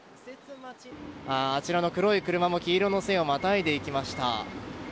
あちらの黒い車も黄色の線をまたいでいきました。